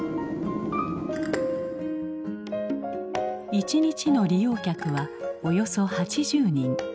一日の利用客はおよそ８０人。